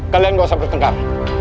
kalian gak usah bertengkar